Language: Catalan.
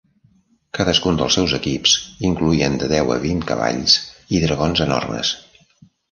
Cadascun dels seus equips incloïen de deu a vint cavalls i dragons enormes.